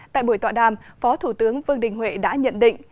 tại buổi tọa đàm phó thủ tướng vương đình huệ đã nhận định